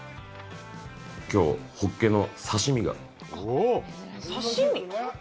きょうホッケの刺身が。